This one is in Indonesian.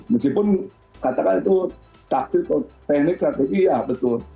meskipun katakan itu taktik atau teknik strategi ya betul